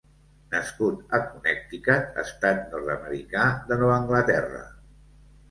Nascut a Connecticut, estat nord-americà de Nova Anglaterra.